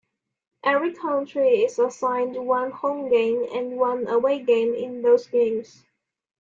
Every country is assigned one home game and one away game in those games.